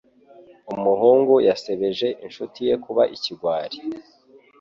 Umuhungu yasebeje inshuti ye kuba ikigwari.